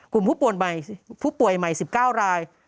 กลุ่มผู้ป่วยใหม่๑๙ราย